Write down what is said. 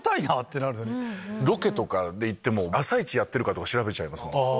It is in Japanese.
ロケとかで行っても朝市やってるか調べちゃいます。